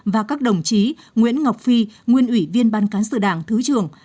và các đồng chí nguyễn ngọc phi nguyên ủy viên ban cán sự đảng thứ trưởng